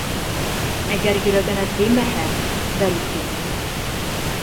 Әгәр йөрәгенә теймәһә, бәлки...